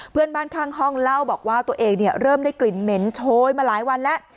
เพื่อนบ้านข้างห้องเล่าบอกว่าตัวเองเริ่มได้กลิ่นเหม็นโชยมาหลายวันแล้ว